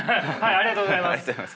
ありがとうございます。